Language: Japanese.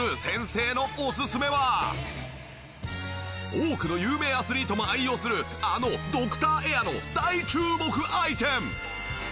多くの有名アスリートも愛用するあのＤＯＣＴＯＲＡＩＲの大注目アイテム！